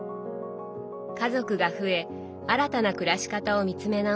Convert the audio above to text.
家族が増え新たな暮らし方を見つめ直す